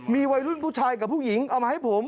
มีวัยรุ่นผู้ชายกับผู้หญิงเอามาให้ผม